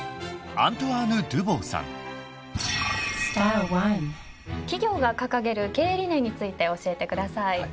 ［今回お話を伺うのは］企業が掲げる経営理念について教えてください。